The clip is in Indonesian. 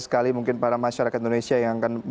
sekali mungkin para masyarakat indonesia yang akan